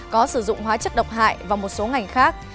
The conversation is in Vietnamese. có sử dụng hóa chất độc hại và một số ngành khác